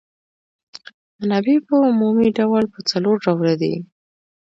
منابع په عمومي ډول په څلور ډوله دي.